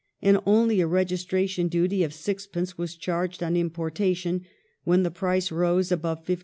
and only a registration duty of 6d. was charged on importation when the price rose above 54s.